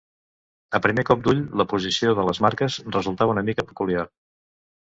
A primer cop d'ull, la posició de les marques resultava una mica peculiar.